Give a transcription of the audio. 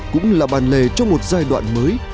cũng là bàn lề cho một giai đoạn mới